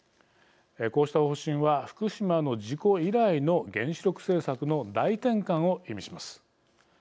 こうした方針は福島の事故以来の原子力政策の大転換を意味します。